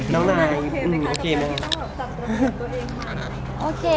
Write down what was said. น้องนายโอเคไหม